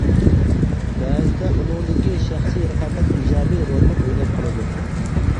بەزىدە ئۇنىڭدىكى شەخسىي رىقابەت ئىجابىي رولمۇ ئويناپ قالىدۇ.